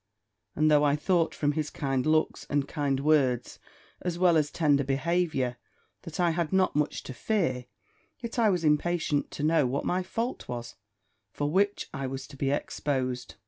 And though I thought from his kind looks, and kind words, as well as tender behaviour, that I had not much to fear, yet I was impatient to know what my fault was, for which I was to be exposed.